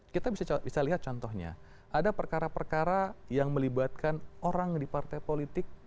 kita bisa lihat contohnya ada perkara perkara yang melibatkan orang di partai politik